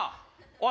おい。